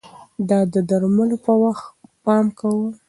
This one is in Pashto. د درملو په وخت پام کوئ.